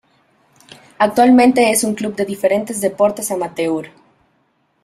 Actualmente es un club de diferentes deportes amateur.